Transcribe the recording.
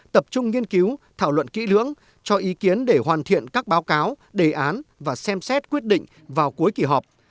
tập trung nghiên cứu thảo luận kỹ lưỡng cho ý kiến để hoàn thiện các báo cáo đề án và xem xét quyết định vào cuối kỳ họp